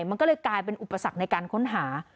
มันก็เลยกลายเป็นอุปสรรคในการค้นหา